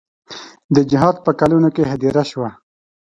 د جهاد په کلونو کې هدیره شوه.